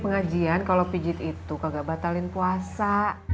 pengajian kalau pijit itu kagak batalin puasa